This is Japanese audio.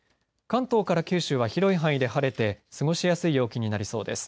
関東から九州は広い範囲で晴れて過ごしやすい陽気になりそうです。